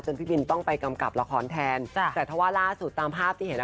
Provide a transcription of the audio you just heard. พี่บินต้องไปกำกับละครแทนจ้ะแต่ถ้าว่าล่าสุดตามภาพที่เห็นอ่ะ